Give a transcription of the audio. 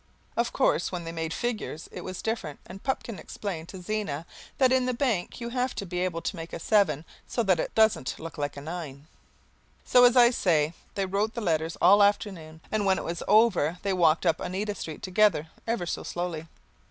Of course when they made figures it was different and Pupkin explained to Zena that in the bank you have to be able to make a seven so that it doesn't look like a nine. So, as I say, they wrote the letters all afternoon and when it was over they walked up Oneida Street together, ever so slowly.